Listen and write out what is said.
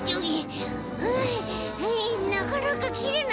はあなかなかきれない。